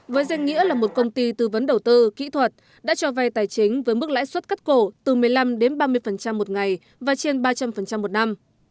với danh nghĩa là một công ty tư vấn đầu tư kỹ thuật đã cho vay tài chính với mức lãi suất cắt cổ từ một mươi năm đến ba mươi một ngày và trên ba trăm linh một năm